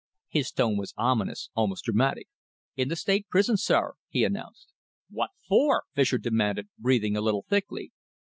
His tone was ominous, almost dramatic. "In the State Prison at , sir," he announced. "What for?" Fischer demanded, breathing a little thickly.